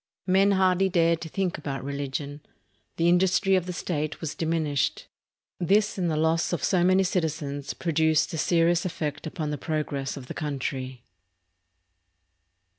Men hardly dared to think about religion. The industry of the state was diminished. This and the loss of so many citizens produced a serious effect upon the progress of the country.